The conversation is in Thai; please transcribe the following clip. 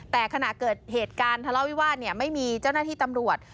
แต่ขณะเกิดเหตุการณ์ทะเลาวิวาสไม่มีเจ้าหน้าที่ตำรวจ